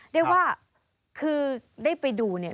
เรียกว่าคือได้ไปดูเนี่ย